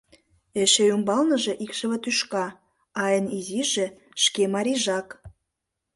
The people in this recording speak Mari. Эше ӱмбалныже икшыве тӱшка, а эн изиже — шке марийжак.